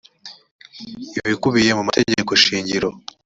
ibikubiye mu mategeko shingiro